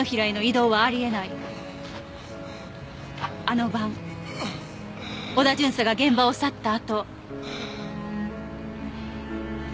あの晩織田巡査が現場を去ったあと。